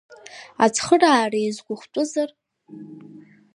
Ацхыраара изгәыхәтәызар?